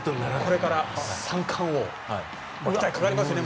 これから三冠王期待がかかりますよね。